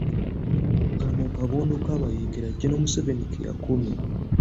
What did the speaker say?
Kano kabondo k'abayeekera General Museveni ke yeekomya.